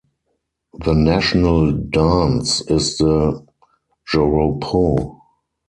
The national dance is the "joropo".